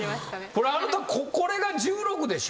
これあなたこれが１６でしょ？